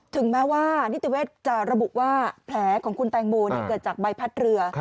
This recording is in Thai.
ถึงแม้ว่านิติเวชจะระบุว่าแผลของคุณแตงโมเกิดจากใบพัดเรือ